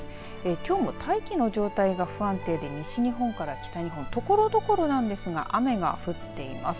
きょうも大気の状態が不安定で西日本から北日本ところどころなんですが雨が降っています。